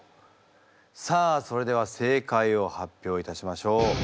さあそれでは正解を発表いたしましょう。